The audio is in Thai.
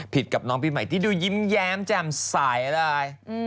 ผิดกับน้องปีใหม่ที่ดูยิ้มแย้มแจ่มใสนะฮะ